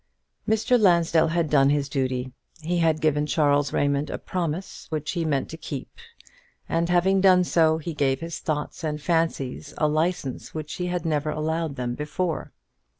Mr. Lansdell had done his duty. He had given Charles Raymond a promise which he meant to keep; and having done so, he gave his thoughts and fancies a license which he had never allowed them before.